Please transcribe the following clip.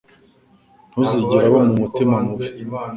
Ntuzigere uba mu mutima mubi